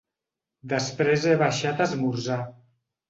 Després he baixat a esmorzar.